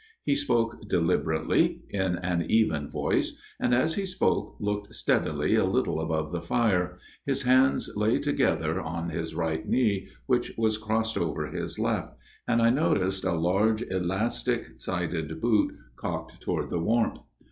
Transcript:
He spoke deliberately, in an even voice, and as he spoke looked steadily a little above the fire ; his hands lay together on his right knee which was crossed over his left ; and I noticed a large elastic sided boot cocked toward the warmth.